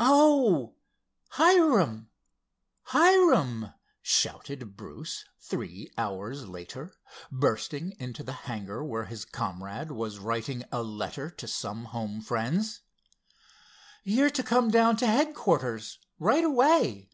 "Oh, Hiram! Hiram!" shouted Bruce three hours later, bursting into the hangar where his comrade was writing a letter to some home friends. "You're to come down to headquarters right away."